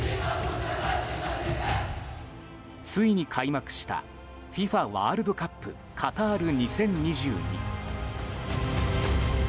ついに開幕したＦＩＦＡワールドカップカタール２０２２。